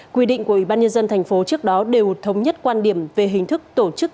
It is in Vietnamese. quy định của ủy ban nhân dân thành phố trước đó đều thống nhất quan điểm về hình thức tổ chức